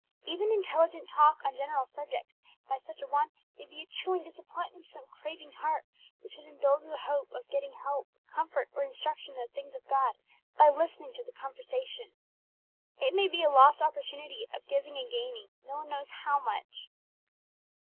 Even intelligent talk on general subjects by such a one may be a chilling disappointment to some craving heart, which had indulged the hope of getting help, comfort, or instruction in the things of God by listening to the conversation. It may be a lost opportunity of giving and gaining no one knows how much!